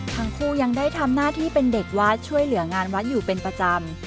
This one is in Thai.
ทั้งคู่ยังได้ทำหน้าที่เป็นเด็กวัดช่วยเหลืองานวัดอยู่เป็นประจำ